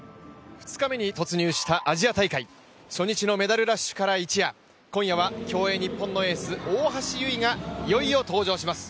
２日目に突入したアジア大会初日のメダルラッシュから一夜、今夜は競泳日本のエース、大橋悠依がいよいよ登場します。